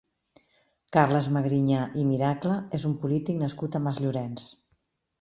Carles Magriñà i Miracle és un polític nascut a Masllorenç.